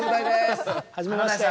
はじめまして。